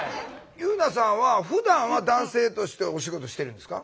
夕菜さんはふだんは男性としてお仕事してるんですか？